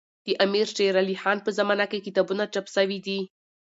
د امير شېر علي خان په زمانه کي کتابونه چاپ سوي دي.